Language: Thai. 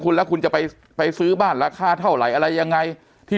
คุณแล้วคุณจะไปไปซื้อบ้านราคาเท่าไหร่อะไรยังไงที่